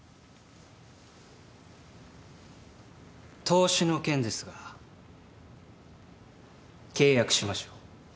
投資の件ですが契約しましょう。